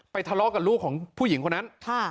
ทะเลาะกับลูกของผู้หญิงคนนั้น